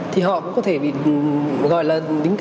thì họ cũng có thể bị gọi là đính